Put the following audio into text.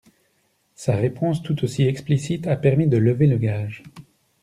Sa réponse tout aussi explicite a permis de lever le gage.